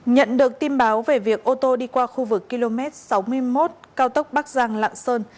nhận được tin báo về việc ô tô đi qua khu vực km sáu mươi một cao tốc bắc giang lạng sơn